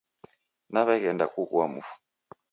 Naw'eghenda kughua mufu.